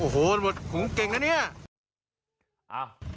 โอ้โหผมเก่งนะเนี่ย